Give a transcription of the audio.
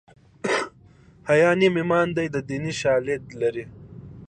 حیا نیم ایمان دی دیني شالید لري